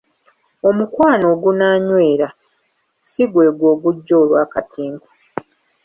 Omukwano ogunaanywera si gwegwo ogujja olw'akatinko.